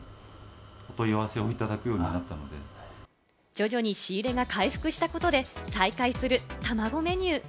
徐々に仕入れが回復したことで再開するたまごメニュー。